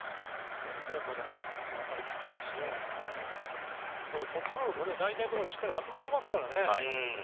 まだ若いピッチャーですしコントロールもいいところに集まっていますからね。